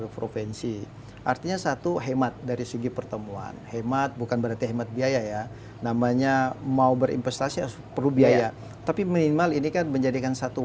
sebelas provinsi artinya yang memiliki